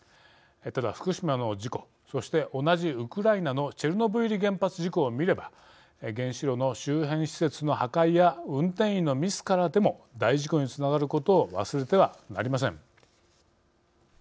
ただ、福島の事故そして同じウクライナのチェルノブイリ原発事故を見れば原子炉の周辺施設の破壊や運転員のミスからでも大事故につながることを忘れてはなりません。